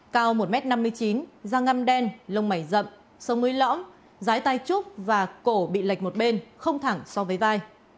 cao một m năm mươi chín da ngăm đen lông mẩy rậm sông mươi lõm giái tay trúc và cổ bị lệch một bên không thẳng so với vai